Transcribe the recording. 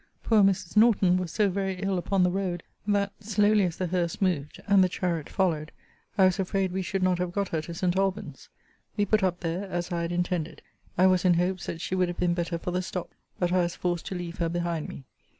Poor Mrs. Norton was so very ill upon the road, that, slowly as the hearse moved, and the chariot followed, I was afraid we should not have got her to St. Albans. We put up there as I had intended. I was in hopes that she would have been better for the stop: but I was forced to leave her behind me.